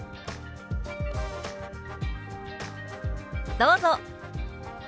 どうぞ！